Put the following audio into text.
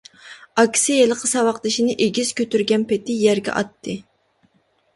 ئاكىسى ھېلىقى ساۋاقدىشىنى ئېگىز كۆتۈرگەن پېتى يەرگە ئاتتى.